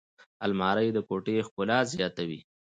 الماري د کوټې ښکلا زیاتوي